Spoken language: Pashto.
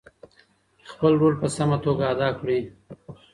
خپل رول په سمه توګه ادا کړئ.